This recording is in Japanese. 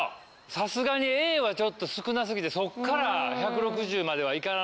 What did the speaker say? さすがにＡはちょっと少なすぎてそっから１６０まではいかないんじゃないかというので。